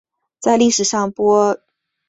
在历史上波普勒曾是米德塞克斯的一部分。